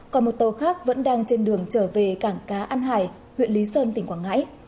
còn một tàu khác vẫn đang trên đường trở về cảng cá an hải huyện lý sơn tỉnh quảng ngãi